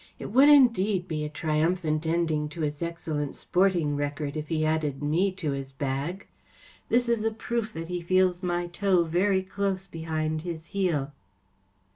It would indeed be a triumphant ending to his excel¬ lent sporting record if he added me to his bag. This is a proof that he feels my toe very close behind his heel.